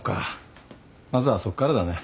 まずはそこからだね。